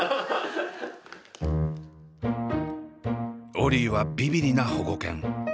オリィはビビリな保護犬。